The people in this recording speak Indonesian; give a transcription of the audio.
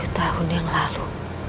tujuh tahun yang lalu